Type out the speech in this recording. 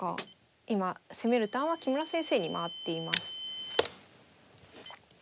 今攻めるターンは木村先生に回っています。